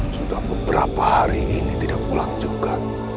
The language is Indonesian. sudah beberapa hari ini tidak pulang juga